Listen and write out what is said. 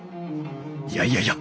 いやいやいや。